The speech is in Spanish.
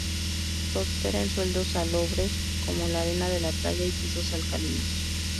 Prospera en suelos salobres, como la arena de la playa y pisos alcalinos.